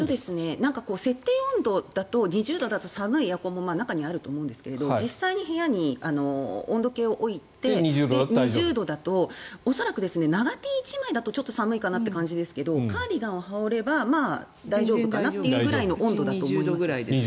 設定温度だと２０度だと寒いエアコンも中にはあると思うんですけど実際に部屋に温度計を置いて２０度だと、恐らく長Ｔ１枚だとちょっと寒いかなという感じですがカーディガンを羽織れば大丈夫かなという温度だと思います。